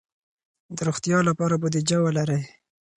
د روغتیا لپاره بودیجه ولرئ.